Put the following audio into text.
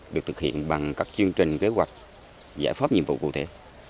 được thực hiện bằng các chương trình kế hoạch giải pháp nhiệm vụ cụ thể